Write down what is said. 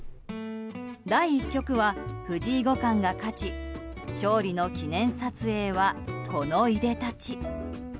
第１局は藤井五冠が勝ち勝利の記念撮影はこのいでたち。